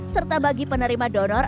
serta bagi penerima donor